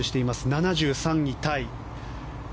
７３位タイ。